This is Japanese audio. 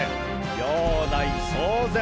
場内騒然！